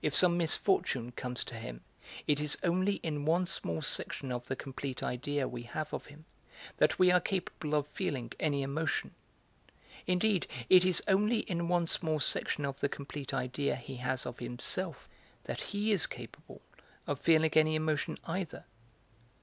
If some misfortune comes to him, it is only in one small section of the complete idea we have of him that we are capable of feeling any emotion; indeed it is only in one small section of the complete idea he has of himself that he is capable of feeling any emotion either.